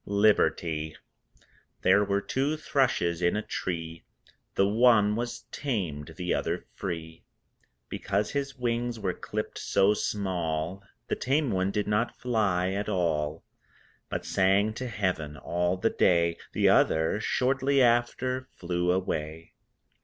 LIBERTY There were two thrushes in a tree, The one was tamed, the other free. Because his wings were clipped so small The tame one did not fly at all, But sang to Heaven all the day The other (shortly after) flew away.